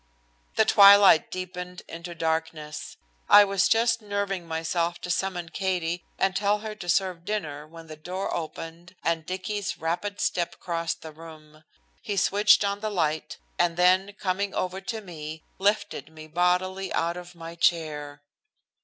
The twilight deepened into darkness. I was just nerving myself to summon Katie and tell her to serve dinner when the door opened and Dicky's rapid step crossed the room. He switched on the light, and then coming over to me, lifted me bodily out of my chair.